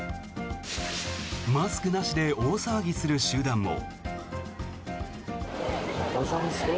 マスクなしで大騒ぎする集団も。